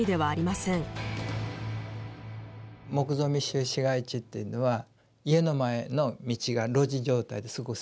木造密集市街地というのは家の前の道が路地状態ですごい狭い。